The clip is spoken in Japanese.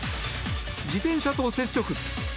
自転車と接触！